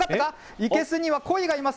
生けすにはコイがいます！